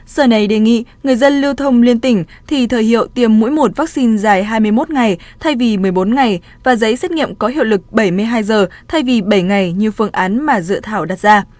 sở này đề nghị người dân lưu thông liên tỉnh thì thời hiệu tiêm mỗi một vaccine dài hai mươi một ngày thay vì một mươi bốn ngày và giấy xét nghiệm có hiệu lực bảy mươi hai giờ thay vì bảy ngày như phương án mà dự thảo đặt ra